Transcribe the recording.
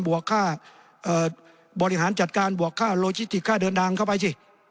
วกค่าบริหารจัดการบวกค่าโลจิติค่าเดินทางเข้าไปสิ